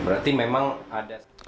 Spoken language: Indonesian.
berarti memang ada